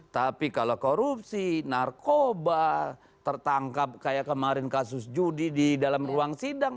tapi kalau korupsi narkoba tertangkap kayak kemarin kasus judi di dalam ruang sidang